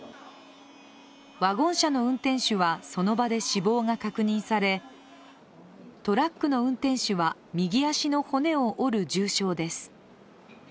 ワゴン車の運転手は、その場で死亡が確認されトラックの運転手は右足の骨を折る重傷です。